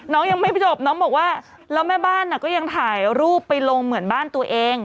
ยังไม่จบน้องบอกว่าแล้วแม่บ้านก็ยังถ่ายรูปไปลงเหมือนบ้านตัวเอง